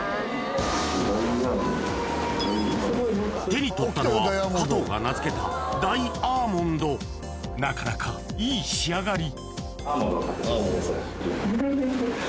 手に取ったのは加藤が名付けたなかなかいい仕上がり